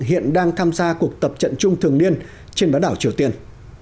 hiện đang tham gia cuộc tập trận chung thường niên trên bán đảo triều tiên